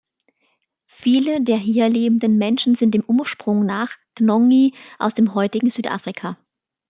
Viele der hier lebenden Menschen sind dem Ursprung nach Ngoni aus dem heutigen Südafrika.